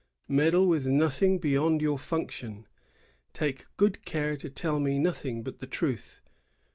"Meddle with nothing beyond your functions." "Take good care to tell me nothing but the truth."